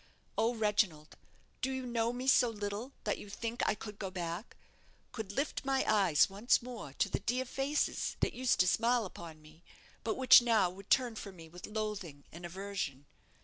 Oh, Reginald, do you know me so little that you think I could go back, could lift my eyes once more to the dear faces that used to smile upon me, but which now would turn from me with loathing and aversion?